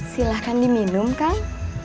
silahkan diminum kang